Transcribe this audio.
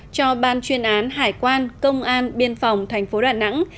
cho ban chuyên án hải quan công an biên phòng tp đà nẵng